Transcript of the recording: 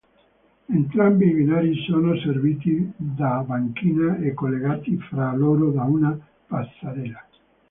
Entrambi i binari sono serviti da banchina e collegati fra loro da una passerella.